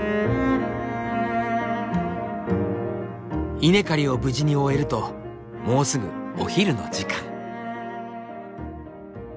稲刈りを無事に終えるともうすぐお昼の時間。